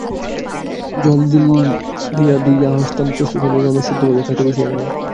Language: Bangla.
জল দিয়া ধুইয়া আহারস্থান প্রস্তুত হইলে রমেশ শুদ্ধভাবে খাইতে বসিয়া গেল।